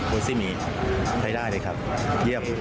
เวอร์ซี่หมีใช้ได้เลยครับเยี่ยม